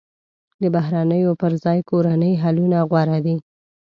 د بهرنیو پر ځای کورني حلونه غوره دي.